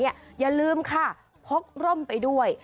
อย่าลืมค่ะพกร่มไปด้วย